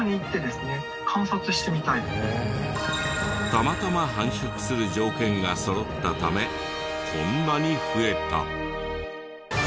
たまたま繁殖する条件がそろったためこんなに増えた。